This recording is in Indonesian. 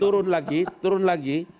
turun lagi turun lagi